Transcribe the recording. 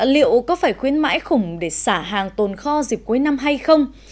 liệu có phải khuyến mãi khủng để xả hàng tồn kho dịp cuối năm hay không